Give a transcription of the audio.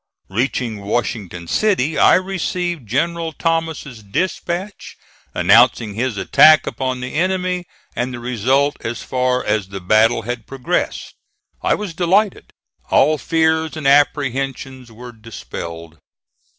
Reaching Washington City, I received General Thomas's dispatch announcing his attack upon the enemy, and the result as far as the battle had progressed. I was delighted. All fears and apprehensions were dispelled.